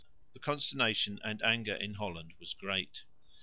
The consternation and anger in Holland was great.